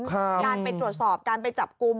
การไปตรวจสอบการไปจับกลุ่ม